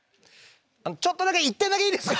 ちょっとだけ１点だけいいですか？